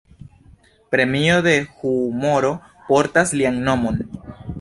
Premio de humoro portas lian nomon.